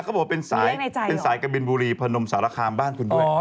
ก็บอกเป็นสายกะเบียนบุรีพนมสารคามบ้านคุณด้วย